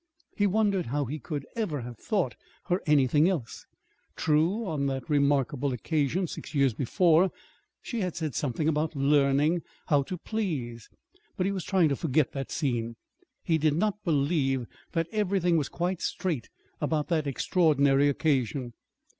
He wondered how he could ever have thought her anything else. True, on that remarkable occasion six years before, she had said something about learning how to please But he was trying to forget that scene. He did not believe that everything was quite straight about that extraordinary occasion.